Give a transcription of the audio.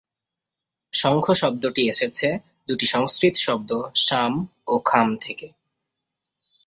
শঙ্খ শব্দটি এসেছে দুটি সংস্কৃত শব্দ 'শাম' ও 'খাম' থেকে।